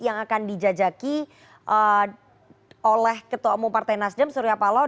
yang akan dijajaki oleh ketua umum partai nasdem surya paloh